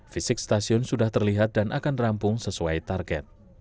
fisik stasiun sudah terlihat dan akan rampung sesuai target